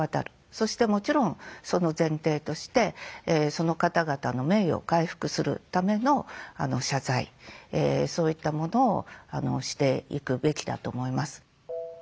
そしてもちろんその前提としてその方々の名誉を回復するための謝罪そういったものをしていくべきだと思います。